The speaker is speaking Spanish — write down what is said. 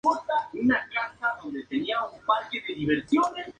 Es conocida por sus piezas abstractas realizadas con cajas de madera o metal.